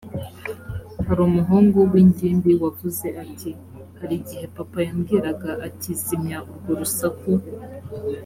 hari umuhungu w ingimbi wavuze ati hari igihe papa yambwiraga ati zimya urwo rusaku